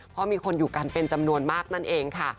เพราะมีคนอยู่กันเป็นจำนวนมากนั่นเองค่ะ